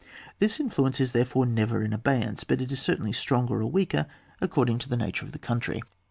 This influence is therefore never in abeyance, but it is certainly stronger or weaker according to the nature of the country.